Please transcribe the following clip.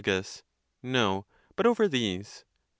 No; but over these.